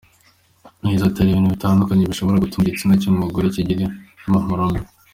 Yagize ati “Hari ibintu bitandukanye bishobora gutuma igitsina cy’umugore kigira impumuro mbi.